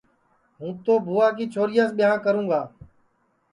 ہُوں تو بھُوا کی چھوریاس ٻِیانٚھ کروں گا